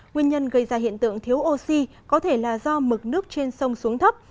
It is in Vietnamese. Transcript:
nguyên nhân gây ra hiện tượng thiếu oxy có thể là do mực nước trên sông xuống thấp